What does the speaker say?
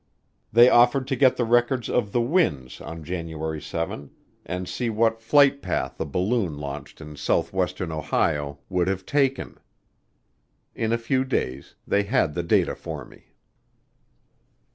They offered to get the records of the winds on January 7 and see what flight path a balloon launched in southwestern Ohio would have taken. In a few days they had the data for me.